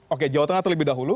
oke jawa tengah terlebih dahulu